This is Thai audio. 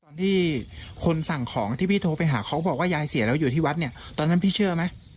ตอนที่คนสั่งของที่พี่โทรไปหาเขาบอกว่ายายเสียแล้วอยู่ที่วัดเนี่ยตอนนั้นพี่เชื่อไหม